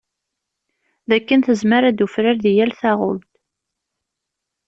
Dakken tezmer ad d-tufrar deg yal taɣult.